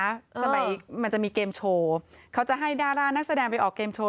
ทำไมมันจะมีเกมโชว์เขาจะให้ดารานักแสดงไปออกเกมโชว